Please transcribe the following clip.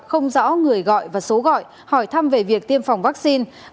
không rõ người gọi và số gọi hỏi thăm về việc tiêm phòng vaccine